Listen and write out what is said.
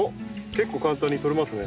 結構簡単に取れますね。